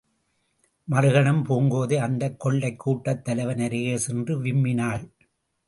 மறுகணம், பூங்கோதை அந்தக் கொள்ளைக் கூட்டத் தலைவன் அருகே சென்று விம்மினாள்.